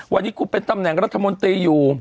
วันนี้คุณเป็นตำแหน่งรัฐมนตรีอยู่